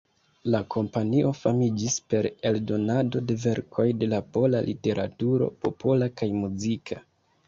La kompanio famiĝis per eldonado de verkoj de la pola literaturo, popola kaj muzika.